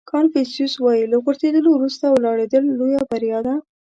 کانفیوسیس وایي له غورځېدلو وروسته ولاړېدل لویه بریا ده.